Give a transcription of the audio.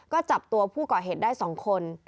ก็จับตัวผู้ก่อเหตุได้๒คน